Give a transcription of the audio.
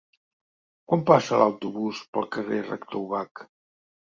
Quan passa l'autobús pel carrer Rector Ubach?